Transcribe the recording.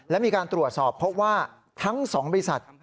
และมีการตรวจสอบพบว่าทั้ง๒บริษัท